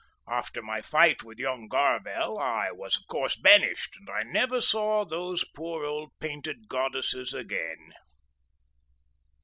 After my fight with young Garvell I was of course banished, and I never saw those poor old painted goddesses again.